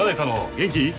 元気？